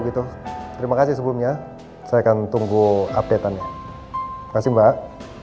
terima kasih mbak